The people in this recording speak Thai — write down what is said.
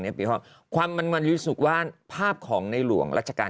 นี้ใช่ครับความมันมันลิดสุดว่าภาพของในหลวงราชกาล